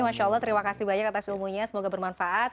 masya allah terima kasih banyak atas ilmunya semoga bermanfaat